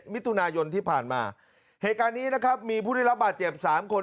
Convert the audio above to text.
มิถุนายนที่ผ่านมาเหตุการณ์นี้นะครับมีผู้ได้รับบาดเจ็บสามคน